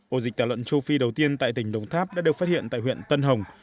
ổ dịch tả lợn châu phi đầu tiên tại tỉnh đồng tháp đã được phát hiện tại huyện tân hồng